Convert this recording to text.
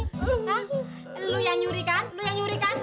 hah lu yang nyurikan lu yang nyurikan